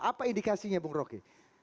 apa indikasinya bung roke